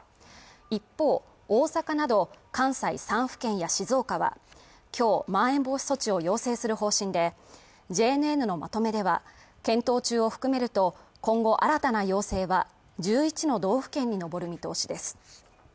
一方大阪など関西３府県や静岡は今日まん延防止措置を要請する方針でＪＮＮのまとめでは検討中を含めると今後新たな要請は１１の道府県に上る見通しです